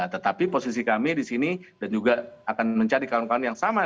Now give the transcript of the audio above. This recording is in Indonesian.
tetapi posisi kami di sini dan juga akan mencari kawan kawan yang sama